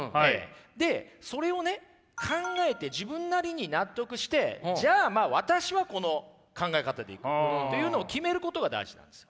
でそれをね考えて自分なりに納得してじゃあ私はこの考え方でいくというのを決めることが大事なんですよ。